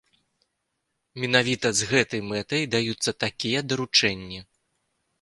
Менавіта з гэтай мэтай даюцца такія даручэнні.